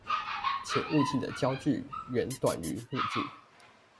且物鏡的焦距遠短於目鏡